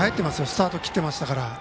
スタート切っていましたから。